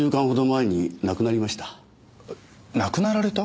えっ亡くなられた！？